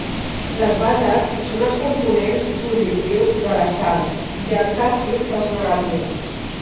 Les bases són els components positius de les sals, i els àcids, els negatius.